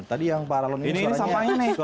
tadi yang paralon ini suaranya